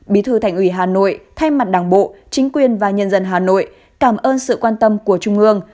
bí thư thành ủy hà nội thay mặt đảng bộ chính quyền và nhân dân hà nội cảm ơn sự quan tâm của trung ương